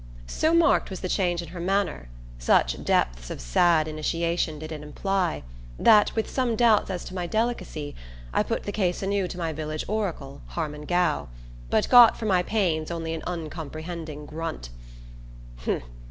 So marked was the change in her manner, such depths of sad initiation did it imply, that, with some doubts as to my delicacy, I put the case anew to my village oracle, Harmon Gow; but got for my pains only an uncomprehending grunt.